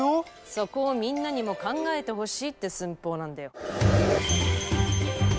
そこをみんなにも考えてほしいって寸法なんだよ！